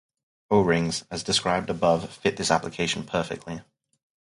O-rings, as described above, fit this application perfectly.